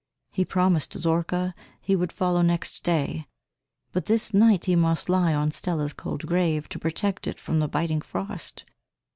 He promised Zorka he would follow next day, but this night he must lie on Stella's cold grave, to protect it from the biting frost.